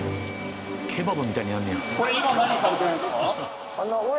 ケバブみたいにやんねや。